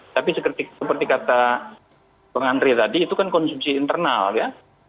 tapi seperti kata bang andri tadi itu kan konsumsi internal ya